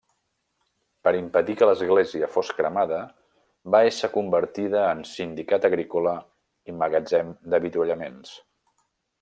Per impedir que l'església fos cremada, va ésser convertida en sindicat agrícola i magatzem d'avituallaments.